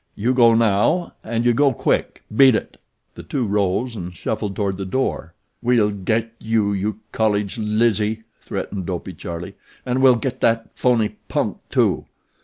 "You go now and you go quick beat it!" The two rose and shuffled toward the door. "We'll get you, you colledge Lizzy," threatened Dopey Charlie, "an' we'll get that phoney punk, too."